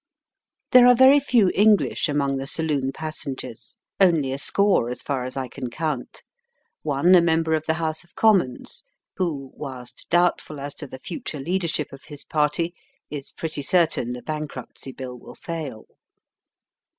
There are very few English among the saloon passengers, only a score as far as I can count; one a member of the House of Commons, who, whilst doubtful as to the Digitized by VjOOQIC ''off sandy hook." future leadership of his party, is pretty certain the Bankruptcy Bill will fail.